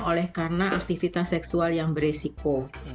oleh karena aktivitas seksual yang beresiko